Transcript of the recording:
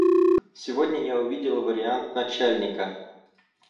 Сегодня я увидел вариант начальника.